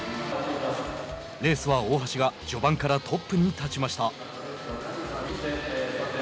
レースは大橋が序盤からトップに立ちました。